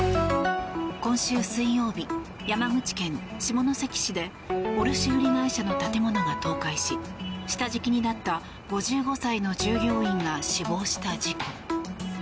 今週水曜日、山口県下関市で卸売会社の建物が倒壊し下敷きになった５５歳の従業員が死亡した事故。